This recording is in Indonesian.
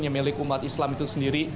yang milik umat islam itu sendiri